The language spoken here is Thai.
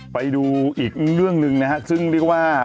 ไปดูอีกเรื่องหนึ่งนะฮะซึ่งเรียกว่า